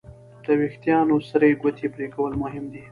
د وېښتیانو سرې ګوتې پرېکول مهم دي.